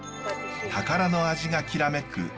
宝の味がきらめく